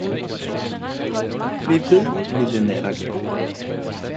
Bliv ved lille nattergal!